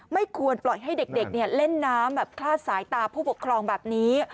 ไม่ควรปล่อยให้เด็กเล่นน้ำแบบคลาดสายตาผู้ปกครองแบบนี้